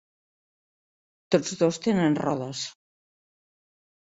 Tots dos tenen rodes.